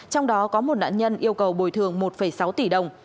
trong đó có một nạn nhân yêu cầu bồi thường một sáu tỷ đồng